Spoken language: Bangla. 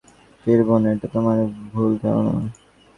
তুমি যে ভাবছ, আমি আর ভারতে ফিরব না, এটা তোমার ভুল ধারণা।